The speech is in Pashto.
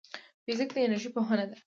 فزیک د انرژۍ پوهنه ده